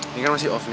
ini kan masih off nih